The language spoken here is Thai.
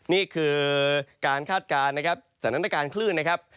นี่คือการคาดการณ์นะครับสถานการณ์คลื่นนะครับ